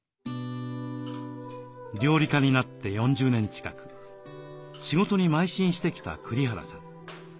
料理家になって４０年近く仕事に邁進してきた栗原さん。